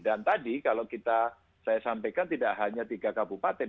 dan tadi kalau kita saya sampaikan tidak hanya tiga kabupaten